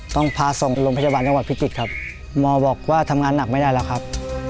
ต้องพาส่งโรงพยาบาลจังหวัดพิจิตรครับหมอบอกว่าทำงานหนักไม่ได้แล้วครับ